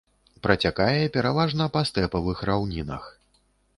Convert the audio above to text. Працякае пераважна па стэпавых раўнінах.